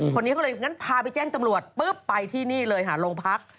คนนี้เขาเลยงั้นพาไปแจ้งตำรวจปุ๊บไปที่นี่เลยหาโรงพัก